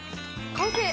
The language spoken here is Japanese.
完成！